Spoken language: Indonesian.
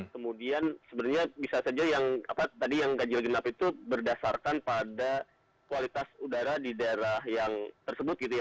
kemudian sebenarnya bisa saja yang tadi yang ganjil genap itu berdasarkan pada kualitas udara di daerah yang tersebut gitu ya